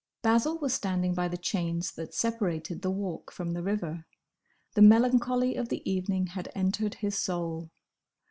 Basil was standing by the chains that separated the Walk from the river. The melancholy of the evening had entered his soul.